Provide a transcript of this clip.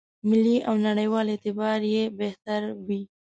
ملي او نړېوال اعتبار یې بهتر وي.